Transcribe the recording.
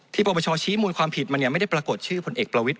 ที่ปรบชอชี้มูลความผิดมันเนี่ยไม่ได้ปรากฏชื่อพลเอกประวิทธิ์